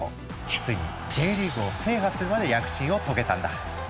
ついにＪリーグを制覇するまで躍進を遂げたんだ。